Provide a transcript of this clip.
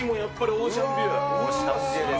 オーシャンビューです。